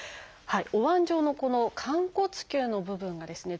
おわん状のこの寛骨臼の部分がですね